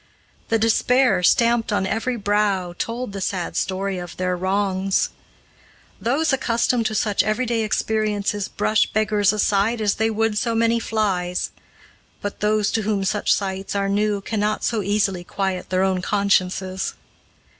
The despair stamped on every brow told the sad story of their wrongs. Those accustomed to such everyday experiences brush beggars aside as they would so many flies, but those to whom such sights are new cannot so easily quiet their own consciences.